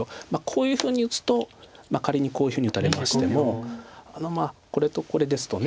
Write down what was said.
こういうふうに打つと仮にこういうふうに打たれましてもこれとこれですと。